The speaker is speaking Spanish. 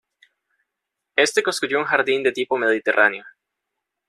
Éste construyó un jardín de tipo mediterráneo.